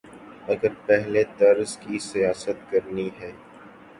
اگر پہلے طرز کی سیاست کرنی ہے۔